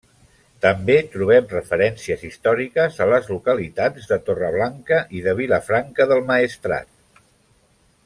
També trobem referències històriques a les localitats de Torreblanca i de Vilafranca del Maestrat.